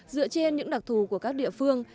dựa trên những đặc thù của các địa phương